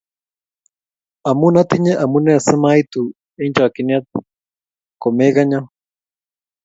amu atinye amune simaitu eng chakchyinet ko mekenyo